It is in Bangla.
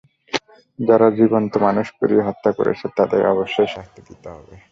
যারা জীবন্ত মানুষ পুড়িয়ে হত্যা করেছে, তাদের অবশ্যই শাস্তি দিতে হবে।